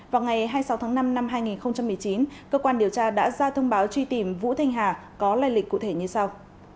vào ngày hai mươi sáu tháng năm năm hai nghìn một mươi chín cơ quan điều tra đã ra thông báo truy tìm vũ thanh hà có lây lịch cụ thể như sau